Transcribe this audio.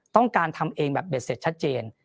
ต้องการทำเองแบบเด็ดเสร็จชัดเจน